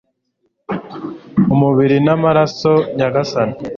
umubiri n'amaraso, nyagasani